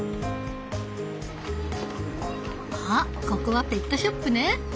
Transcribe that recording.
あここはペットショップね！